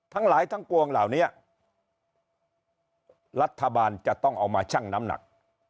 ทั้งหลายทั้งปวงเหล่านี้รัฐบาลจะต้องเอามาชั่งน้ำหนัก